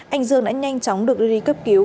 anh dương đã nhanh chóng được đi cấp cứu